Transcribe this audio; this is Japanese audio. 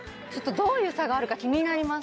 どういう差があるか気になります